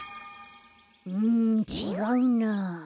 うんちがうな。